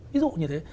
ví dụ như thế